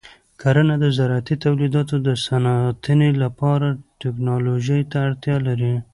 کرنه د زراعتي تولیداتو د ساتنې لپاره ټیکنالوژۍ ته اړتیا لري.